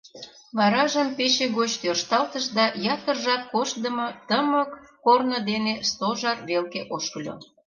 Варажым пече гоч тӧршталтыш да ятыр жап коштдымо, тымык корно дене Стожар велке ошкыльо.